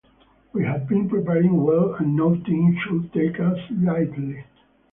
We have been preparing well and no team should take us lightly.